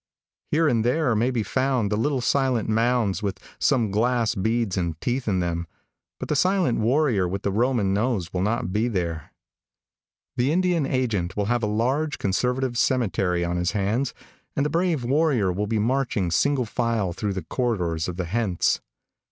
Here and there may be found the little silent mounds with some glass beads and teeth in them, but the silent warrior with the Roman nose will not be there. [Illustration: 0051] The Indian agent will have a large, conservative cemetery on his hands, and the brave warrior will be marching single file through the corridors of the hence.